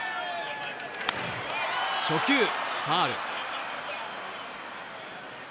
初球、ファウル。